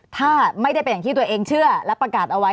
ถ้าไม่ได้เป็นอย่างที่ตัวเองเชื่อและประกาศเอาไว้